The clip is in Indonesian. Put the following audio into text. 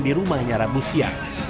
di rumahnya rabu siar